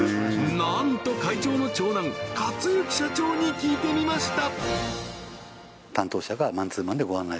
なんと会長の長男勝之社長に聞いてみました